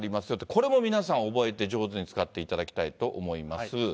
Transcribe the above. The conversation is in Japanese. これも皆さん、覚えて上手に使っていただきたいと思います。